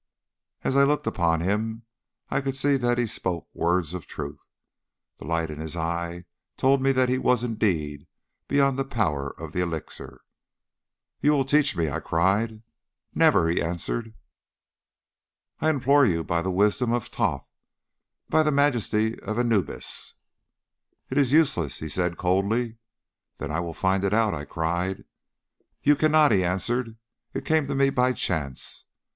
"As I looked upon him I could see that he spoke words of truth. The light in his eye told me that he was indeed beyond the power of the elixir. "'You will teach me!' I cried. "'Never!' he answered. "'I implore you, by the wisdom of Thoth, by the majesty of Anubis!' "'It is useless,' he said coldly. "'Then I will find it out,' I cried. "'You cannot,' he answered; 'it came to me by chance.